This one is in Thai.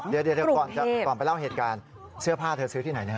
เดี๋ยวก่อนไปเล่าเหตุการณ์เสื้อผ้าเธอซื้อที่ไหนนะ